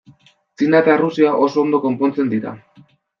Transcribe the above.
Txina eta Errusia oso ondo konpontzen dira.